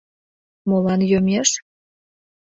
— Молан йомеш?